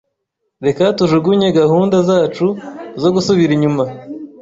Reka tujugunye gahunda zacu zo gusubira inyuma